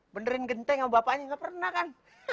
benerin genteng sama bapaknya nggak pernah kan